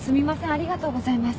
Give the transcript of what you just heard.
ありがとうございます。